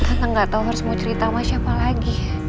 tentang gak tahu harus mau cerita sama siapa lagi